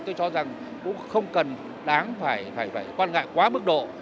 tôi cho rằng cũng không cần đáng phải quan ngại quá mức độ